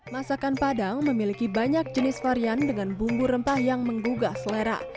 masakan padang memiliki banyak jenis varian dengan bumbu rempah yang menggugah selera